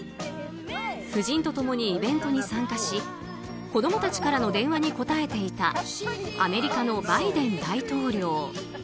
夫人と共にイベントに参加し子供たちからの電話に答えていたアメリカのバイデン大統領。